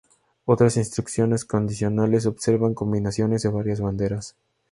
Otras instrucciones condicionales observan combinaciones de varias banderas.